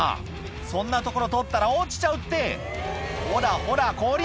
そんな所通ったら落ちちゃうってほらほら後輪